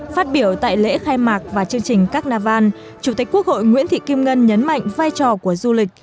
phát biểu tại lễ khai mạc và chương trình carnival chủ tịch quốc hội nguyễn thị kim ngân nhấn mạnh vai trò của du lịch